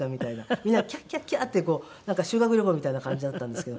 みんなキャッキャッキャッ！ってこうなんか修学旅行みたいな感じだったんですけど。